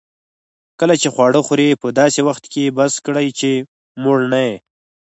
کله چي خواړه خورې؛ په داسي وخت کښې بس کړئ، چي موړ نه يې.